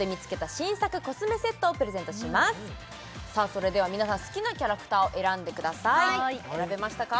それでは皆さん好きなキャラクターを選んでください選べましたか？